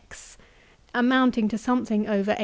X," amounting to something over 8000.